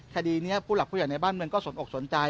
คดีนี้ผู้หลักผู้ใหญ่ในบ้านเมืองก็สนอกสนใจ